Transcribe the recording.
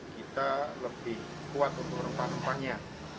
kita lebih kuat untuk rempah rempahnya